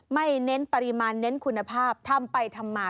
เน้นปริมาณเน้นคุณภาพทำไปทำมา